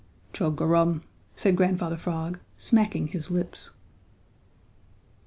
"Chug a rum," said Grandfather Frog, smacking his lips.